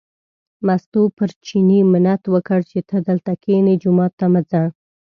مستو پر چیني منت وکړ چې ته دلته کینې، جومات ته مه ځه.